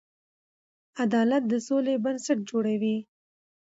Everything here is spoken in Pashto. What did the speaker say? عدالت د سولې بنسټ جوړوي.